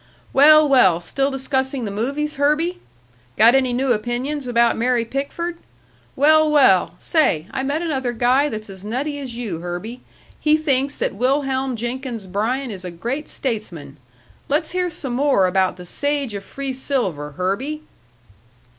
Well, well, still discussing the movies, Herby? Got any new opinions about Mary Pickford? Well, well. Say, I met another guy that's as nutty as you, Herby; he thinks that Wilhelm Jenkins Bryan is a great statesman. Let's hear some more about the Sage of Free Silver, Herby."